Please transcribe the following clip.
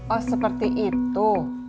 oh seperti itu